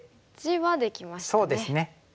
そうですね。